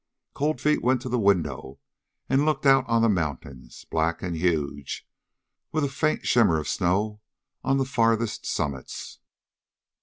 Cold Feet went to the window and looked out on the mountains, black and huge, with a faint shimmer of snow on the farthest summits.